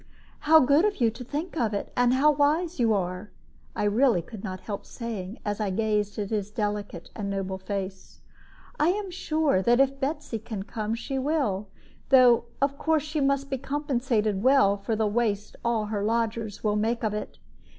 "How good of you to think of it! how wise you are!" I really could not help saying, as I gazed at his delicate and noble face. "I am sure that if Betsy can come, she will; though of course she must be compensated well for the waste all her lodgers will make of it.